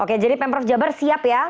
oke jadi pemprov jabar siap ya